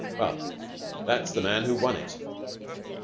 Well, that's the man who won it.